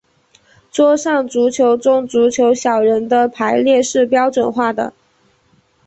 桌上足球中足球小人的排列是标准化的。